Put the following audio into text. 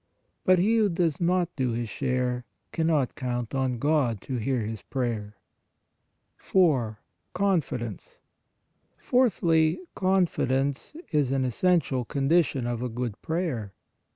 But he who does not do his share, cannot count on God to hear his prayer. 4. CONFIDENCE. Fourthly, confidence is an es sential condition of a good prayer.